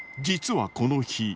実はこの日。